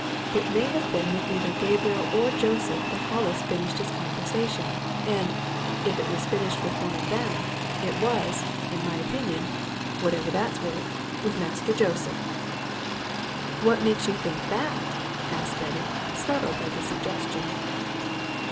It may have been with either Gabriel or Joseph that Hollis finished his conversation. And if it was finished with one of them, it was, in my opinion, whatever that's worth, with Master Joseph!" "What makes you think that?" asked Betty, startled by the suggestion.